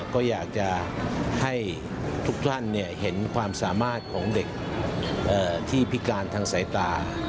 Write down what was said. ก็อยากจะให้ทุกท่านเห็นความสามารถของเด็กที่พิการทางสายตา